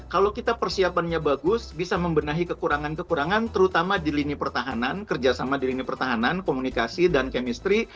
kalau kita persiapannya bagus bisa membenahi kekurangan kekurangan terutama di lini pertahanan kerjasama di lini pertahanan komunikasi dan kemestri